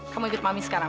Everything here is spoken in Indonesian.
kamu ikut mami sekarang